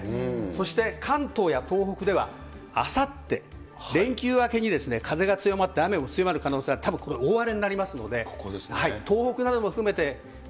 そして関東や東北ではあさって、連休明けに風が強まって雨も強まる可能性、たぶんこれ大荒れになりますので。